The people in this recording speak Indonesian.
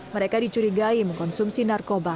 mereka dicurigai mengkonsumsi narkotik